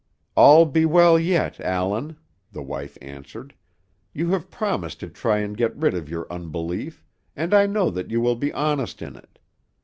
"All be well yet, Allan," the wife answered. "You have promised to try and get rid of your unbelief, and I know that you will be honest in it.